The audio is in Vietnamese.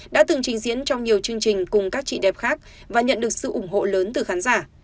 đã từng trình diễn trong nhiều chương trình cùng các chị đẹp khác và nhận được sự ủng hộ lớn từ khán giả